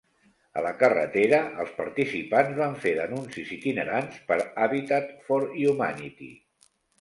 A la carretera, els participants van fer d'anuncis itinerants per Habitat for Humanity.